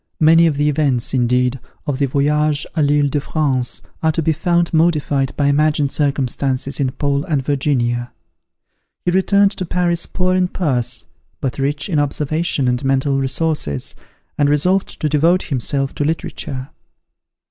Many of the events, indeed, of the "Voyage à l'Ile de France," are to be found modified by imagined circumstances in "Paul and Virginia." He returned to Paris poor in purse, but rich in observation and mental resources, and resolved to devote himself to literature.